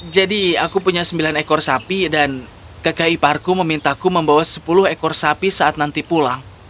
jadi aku punya sembilan ekor sapi dan kakak ipar ku memintaku membawa sepuluh ekor sapi saat nanti pulang